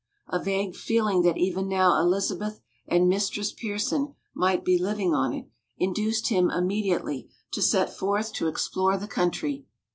A vague feeling that even now Elizabeth and Mistress Pearson might be living on it, induced him immediately to set forth to explore the country.